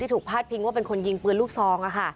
ถูกพาดพิงว่าเป็นคนยิงปืนลูกซอง